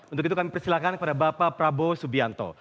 untuk itu kami persilakan kepada bapak prabowo subianto